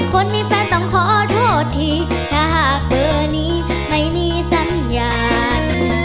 คนมีแฟนต้องขอโทษทีถ้าหากเบอร์นี้ไม่มีสัญญาณ